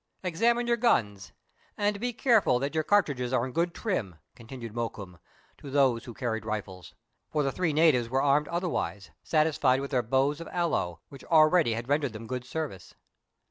" Examine your gups, and be careful that your car tridges are in good trim," continued Mokoum, to those who carried rifles ; for the three natives were armed otherwise, satisfied with their bows of aloe, which already had rendered them good service.